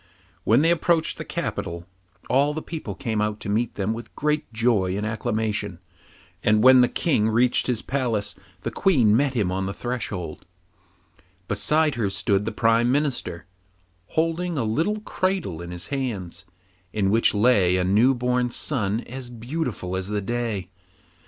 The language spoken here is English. When they approached the capital, all the people came out to meet them with great joy and acclamation, and when the King reached his palace the Queen met him on the threshold; beside her stood the Prime Minister, holding a little cradle in his hands, in which lay a new born child as beautiful as the day.